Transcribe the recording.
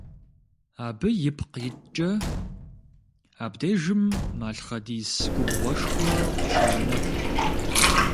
Абы ипкъ иткӏэ абдежым малъхъэдис губгъуэшхуэ къыщоунэху.